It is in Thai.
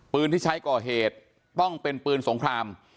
ปืนที่ใช้ก่อเหตุต้องเป็นปืนสงคราม